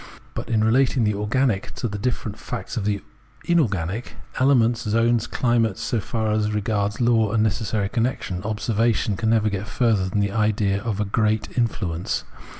But in relating the organic to the different facts of the inorganic, elements, zones, climates, so far as regards law and necessary connection, observation never gets further than the idea of a ''great influence."